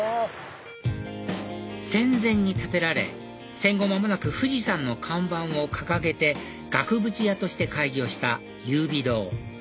戦前に建てられ戦後間もなく富士山の看板を掲げて額縁屋として開業した優美堂